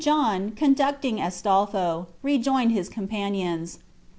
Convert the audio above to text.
John, conducting Astolpho, rejoined his companions.